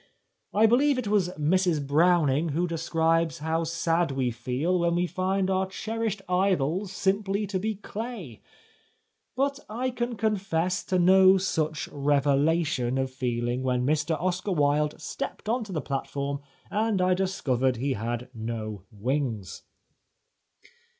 I believe it was Mrs Browning who describes how sad we feel when we find our cherished idols simply to be clay ; but I can confess to no such revelation of feeUng when Mr Oscar Wilde stepped on to the platform and I discovered he had no wings.